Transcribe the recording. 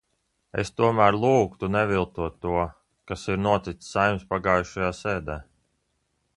Es tomēr lūgtu neviltot to, kas ir noticis Saeimas pagājušajā sēdē.